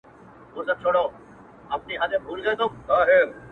زما کور ته چي راسي زه پر کور يمه،